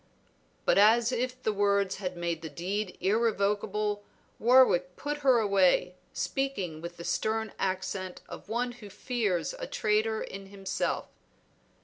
But as if the words had made the deed irrevocable, Warwick put her away, speaking with the stern accent of one who fears a traitor in himself.